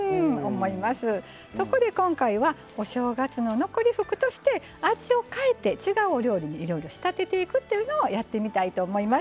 そこで、今回は「お正月の残り福」として味を変えて違うお料理にいろいろ仕立てていくというのをやってみたいと思います。